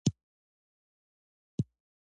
وچو مېوو ښکلې ښکلې هټۍ وې.